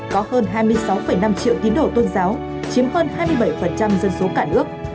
có hơn hai mươi sáu năm triệu tín đồ tôn giáo chiếm hơn hai mươi bảy dân số cả nước